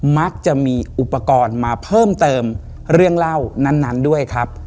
มักจะมีอุปกรณ์มาเพิ่มเติมเรื่องเล่านั้นด้วยครับ